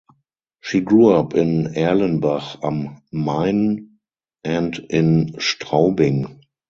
She grew up in Erlenbach am Main and in Straubing.